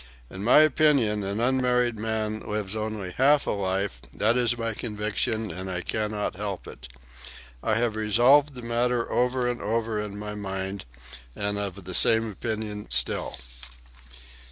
In my opinion an unmarried man lives only half a life; that is my conviction and I can not help it. I have resolved the matter over and over in my mind and am of the same opinion still."